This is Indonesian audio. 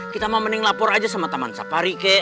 kita mah mending lapor aja sama teman sapari kek